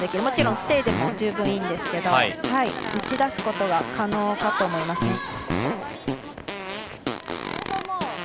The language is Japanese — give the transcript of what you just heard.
もちろんステイでも十分いいんですけど打ち出すことが可能かと思います。